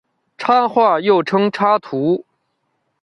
插画又称插图。